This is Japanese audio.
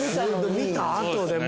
見たあとでも。